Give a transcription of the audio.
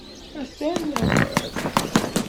Atan awal.